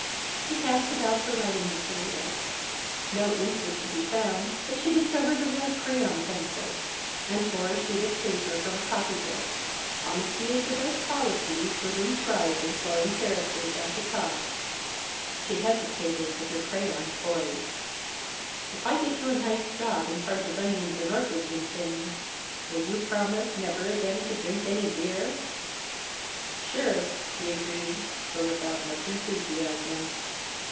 She cast about for writing materials. No ink was to be found, but she discovered a red crayon pencil, and tore a sheet of paper from a copy book. "Honesty is the best policy," was inscribed in flowing characters at the top. She hesitated with her crayon poised. "If I get you a nice job in charge of onions and orchids and things, will you promise never again to drink any beer?" "Sure," he agreed, but without much enthusiasm.